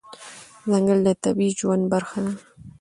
ځنګل د طبیعي ژوند برخه ده.